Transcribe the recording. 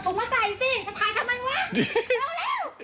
โอ้ถูกมาใส่สิจะพายทำไมวะ